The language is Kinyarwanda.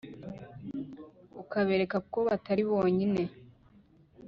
ukabereka ko batari bonyine